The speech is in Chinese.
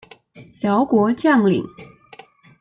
辽国将领。